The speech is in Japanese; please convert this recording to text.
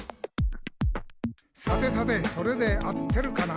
「さてさてそれであってるかな？」